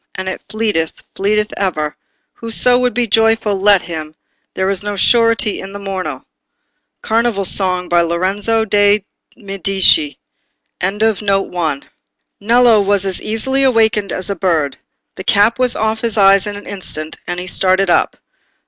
And it fleeteth—fleeteth ever; Whoso would be joyful—let him! There's no surety for the morrow." Carnival Song by Lorenzo de' Medici. Nello was as easily awaked as a bird. The cap was off his eyes in an instant, and he started up.